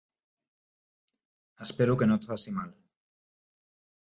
Espero que no et faci mal.